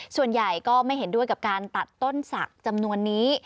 ส่วนใหญ่ก็ไม่เห็นด้วยกับการตัดต้นศักดิ์จำนวนนี้